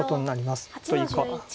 というか。